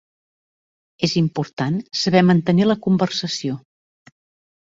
És important saber mantenir la conversació.